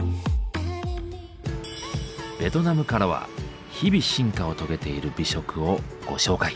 ベトナムからは日々進化を遂げている美食をご紹介。